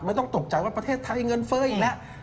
ไม่ต้องตกใจว่าประเทศไทยเงินเฟ้ออีกแล้ว